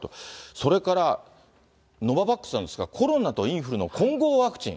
それからノババックスなんですが、コロナとインフルの混合ワクチン。